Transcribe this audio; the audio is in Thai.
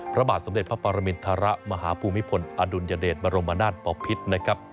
พระบาทสมเด็จพระปรมินทรมาหาภูมิพลอดุลยเดชบรมนาศปภิษนะครับ